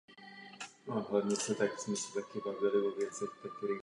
Je na ní mnoho vodopádů a peřejí.